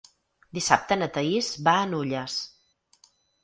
Dissabte na Thaís va a Nulles.